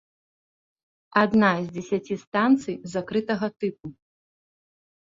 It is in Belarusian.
Адна з дзесяці станцый закрытага тыпу.